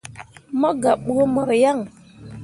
Mo gah buu mor yaŋ.